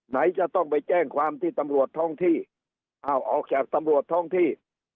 ไหนจะต้องไปแจ้งความที่ตำรวจท้องที่อ้าวออกจากตำรวจท้องที่